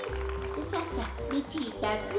ささルチータくん